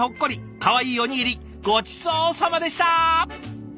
かわいいおにぎりごちそうさまでした。